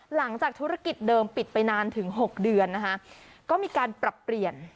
หลังจากธุรกิจเดิมปิดไปนานถึง๖เดือนนะคะก็มีการปรับเปลี่ยน